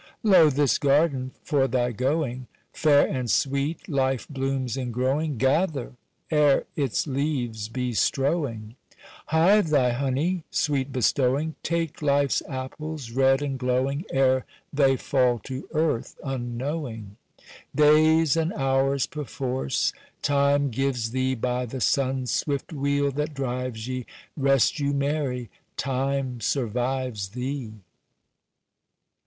"Lo! this garden for thy going, Fair and sweet life blooms in growing, Gather, ere its leaves be strowing. "Hive thy honey, sweet bestowing, Take life's apples, red and glowing, Ere they fall to earth unknowing. "Days and hours, perforce, Time gives thee By the sun's swift wheel that drives ye, Rest you merry! Time survives Thee."